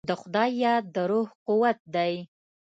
د خدای یاد د روح قوت دی.